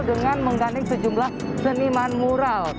dengan mengganding sejumlah seniman mural